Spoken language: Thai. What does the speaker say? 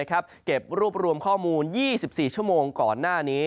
เก็บรวบรวมข้อมูล๒๔ชั่วโมงก่อนหน้านี้